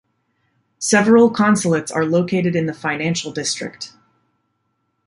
Several consulates are located in the financial district.